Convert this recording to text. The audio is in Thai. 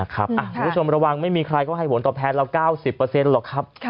คุณผู้ชมระวังไม่มีใครก็ให้ผลตอบแทนเรา๙๐หรอกครับ